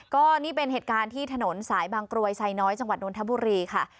ก็นี่เป็นเหตุการณ์ที่ถนนสายบางกรวยไซน้อยจังหวัดนทบุรีค่ะ